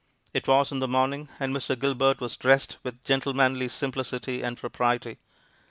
It was in the morning, and Mr. Gilbert was dressed with gentlemanly simplicity and propriety.